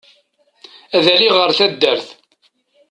Ad aliɣ ɣer taddart.